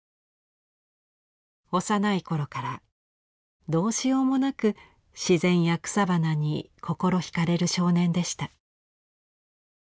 幼い頃からどうしようもなく自然や草花に心ひかれる少年でした。